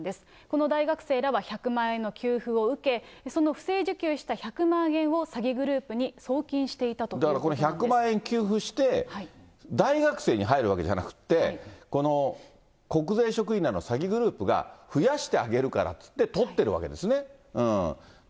この大学生らは１００万円の給付を受け、その不正受給した１００万円を詐欺グループに送金していたというだからこの１００万円給付して、大学生に入るわけじゃなくって、この国税職員らの詐欺グループが、増やしてあげるからって取っているわけですよね。